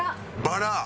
バラ！